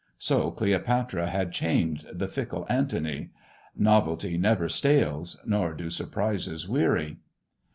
So Cleopatra held chained the fickle Anthony. Novelty never stales, nor do surprises weary.